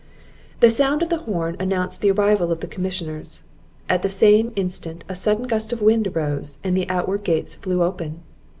The sound of the horn announced the arrival of the commissioners; at the same instant a sudden gust of wind arose, and the outward gates flew open.